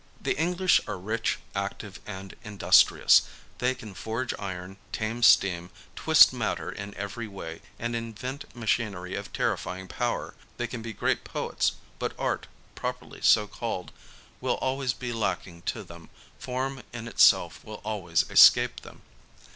The English are rich, active and industrious : they can forge iron, tame steam, twist matter in every way, and in vent machinery of terrifying power i they can be great poets I but art, properly so called, will always be lacking to them, form in itself will always escape them.